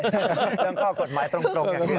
เรื่องข้อกฎหมายตรงอย่างที่อาจารย์